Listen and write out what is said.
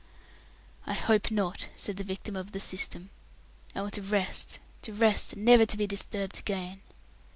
"I hope not," said the victim of the "system". "I want to rest to rest, and never to be disturbed again."